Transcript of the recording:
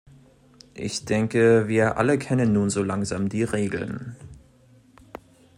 Ich denke, wir alle kennen nun so langsam die Regeln.